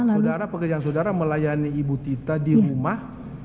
saudara pekerjaan saudara melayani ibu tita di rumah